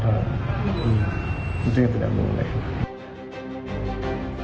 itu yang tidak boleh